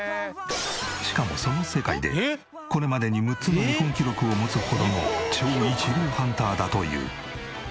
しかもその世界でこれまでに６つの日本記録を持つほどの超一流ハンターだという。